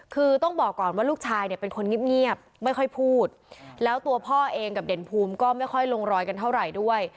คือต้องบอกก่อนว่าลูกชายเนี่ยเป็นคนเงียบไม่ค่อยพูดแล้วตัวพ่อเองกับเด่นภูมิก็ไม่ค่อยลงรอยกันเท่าไหร่ด้วย